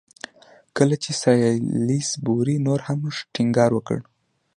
کله چې سالیزبوري نور هم ټینګار وکړ.